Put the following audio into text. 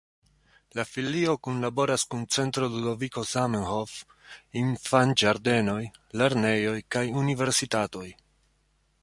La filio kunlaboras kun Centro Ludoviko Zamenhof, infanĝardenoj, lernejoj kaj universitatoj.